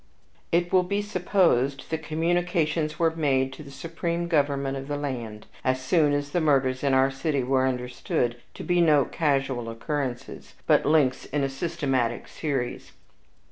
It will be supposed that communications were made to the supreme government of the land as soon as the murders in our city were understood to be no casual occurrences, but links in a systematic series.